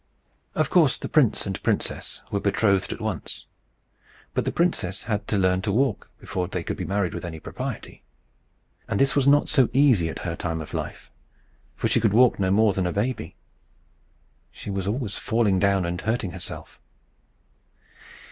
Of course the prince and princess were betrothed at once. But the princess had to learn to walk, before they could be married with any propriety. And this was not so easy at her time of life, for she could walk no more than a baby. She was always falling down and hurting herself.